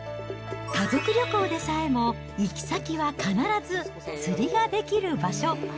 家族旅行でさえも、行き先は必ず釣りができる場所。